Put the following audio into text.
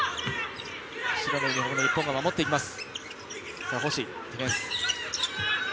白のユニフォーム、日本が守っていきます。